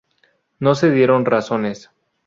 No se dieron razones.